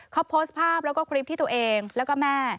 เขาโพสต์ภาพแล้วก็คลิปที่ตัวเองแล้วก็แม่